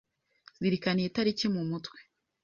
Zirikana iyi tariki mumutwe